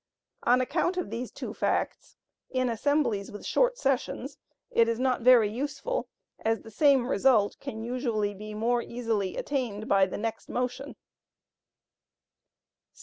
On account of these two facts, in assemblies with short sessions it is not very useful, as the same result can usually be more easily attained by the next motion.